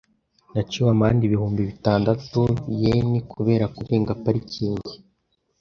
Naciwe amande ibihumbi bitandatu yen kubera kurenga parikingi.